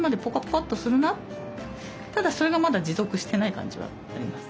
ただそれがまだ持続してない感じはあります。